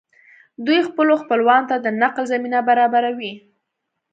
دوی خپلو خپلوانو ته د نقل زمینه برابروي